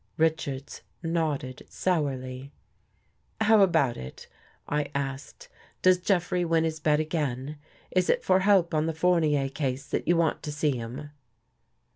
Richards nodded sourly. " How about it? " I asked. " Does Jeffrey win his bet again? Is it for help on the Fournier case that you want to see him?